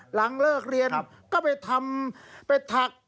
หลังเลิกเรียนก็ไปทำเป็ดถัก